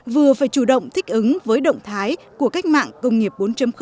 vừa phải chủ động thích ứng với động thái của cách mạng công nghiệp bốn